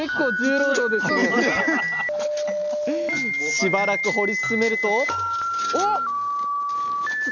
しばらく掘り進めるとあすご！